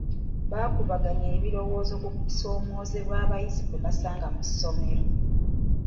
Baakubaganya ebirowozo ku kusoomoozebwa abayizi kwe basanga mu ssomero.